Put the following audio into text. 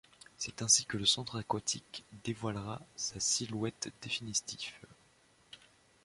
C'est ainsi que le centre aquatique dévoilera sa silhouette définitive.